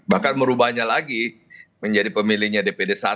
bahkan merubahnya lagi menjadi pemilihnya dpd satu